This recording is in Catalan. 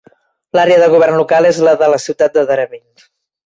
L'àrea de govern local és la de la ciutat de Darebin.